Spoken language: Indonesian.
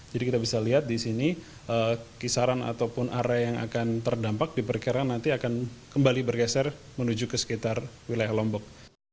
jadi kita bisa lihat di sini kisaran ataupun area yang akan terdampak diperkirakan nanti akan kembali bergeser menuju ke sekitar wilayah lombok